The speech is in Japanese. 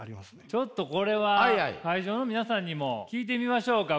ちょっとこれは会場の皆さんにも聞いてみましょうか。